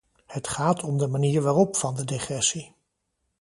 Het gaat om de manier waarop van de degressie.